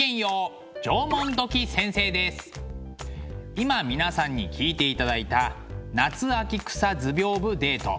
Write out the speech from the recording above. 今皆さんに聴いていただいた「夏秋草図屏風デート」。